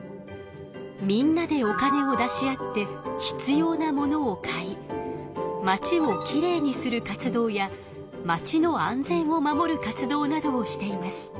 みんなでお金を出し合って必要なものを買いまちをきれいにする活動やまちの安全を守る活動などをしています。